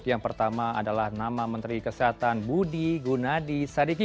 yang pertama adalah nama menteri kesehatan budi gunadi sadikin